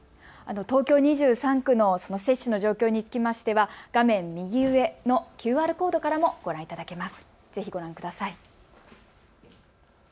東京２３区の接種の状況につきましては画面右上のＱＲコードからもご覧いただけます。